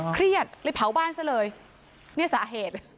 เครียดเลยเผาบ้านซะเลยเนี่ยสาเหตุ